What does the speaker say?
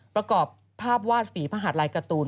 ประกอบภาพวาดฝีพระหัสลายการ์ตูน